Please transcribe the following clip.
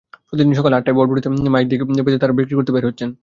প্রতিদিন সকাল আটটায় ভটভটিতে মাইক বেঁধে তাঁরা বিক্রি করতে বের হচ্ছেন।